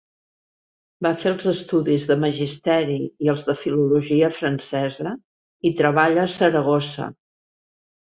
Va fer els estudis de magisteri i els de filologia francesa, i treballa a Saragossa.